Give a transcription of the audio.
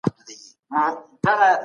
استازي به د فساد پېښې رسوا کړي.